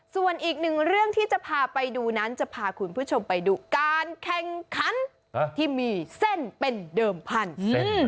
ส่วนอีกหนึ่งเรื่องที่จะพาไปดูนั้นจะพาคุณผู้ชมไปดูการแข่งขันที่มีเส้นเป็นเดิมพันธุ์